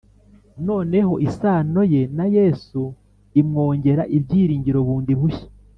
Noneho isano ye na Yesu imwongera ibyiringiro bundi bushya